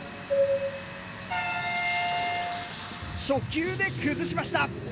初球で崩しました。